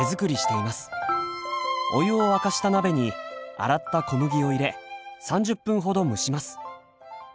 お湯を沸かした鍋に洗った小麦を入れ３０分ほど蒸します。